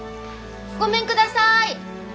ごめんください！